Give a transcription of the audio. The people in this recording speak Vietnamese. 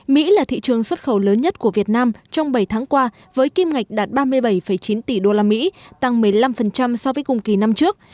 mỹ là thị trường xuất khẩu lớn nhất của việt nam trong bảy tháng qua với kim ngạch đạt ba mươi bảy chín tỷ usd tăng một mươi năm so với cùng kỳ năm trước